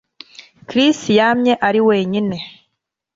Chris yamye ari wenyine